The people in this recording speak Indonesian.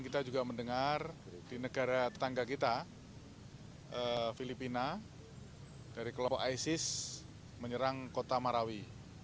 kita juga mendengar di negara tetangga kita filipina dari kelompok isis menyerang kota marawi